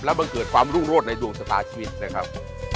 และบังเกิดความรุ่งรวดในดวงศรัตริย์ชีวิตนะครับ